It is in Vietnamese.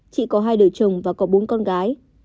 chị có hai đời chồng và có bốn con gái